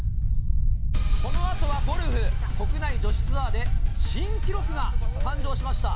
このあとはゴルフ、国内女子ツアーで、新記録が誕生しました。